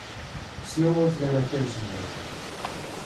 Si houbo celebracións en Madrid.